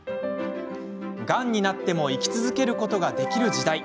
がんになっても生き続けることができる時代。